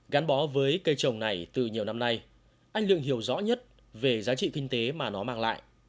gắn bó với cây trồng này từ nhiều năm nay anh lượng hiểu rõ nhất về giá trị kinh tế mà nó mang lại